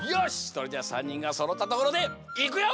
それじゃあ３にんがそろったところでいくよ！